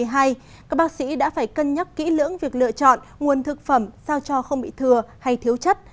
các bác sĩ đã phải cân nhắc kỹ lưỡng việc lựa chọn nguồn thực phẩm sao cho không bị thừa hay thiếu chất